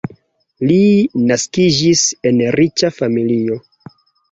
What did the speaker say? Li naskiĝis en riĉa familio.